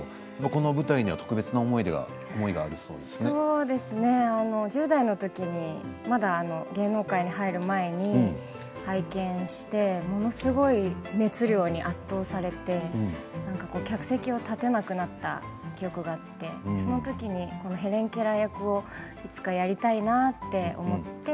この舞台には特別の思いが１０代のときにまだ芸能界に入る前に拝見してものすごい熱量に圧倒されて客席を立てなくなった記憶があって、そのときにヘレン・ケラー役をいつかやりたいなって思って